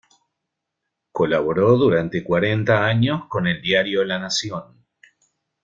Colaboró durante cuarenta años con el diario "La Nación".